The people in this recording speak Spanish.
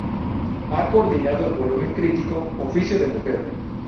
Ha coordinado el volumen crítico "Oficio de mujer.